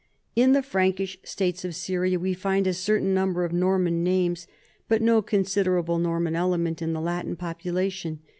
In the Frankish states of Syria we find a certain number of Norman names but no considerable Norman element in the Latin population.